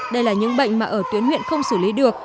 đây là những bệnh mà ở tuyến huyện không xử lý được